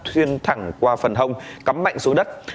thuyên thẳng qua phần hông cắm mạnh xuống đất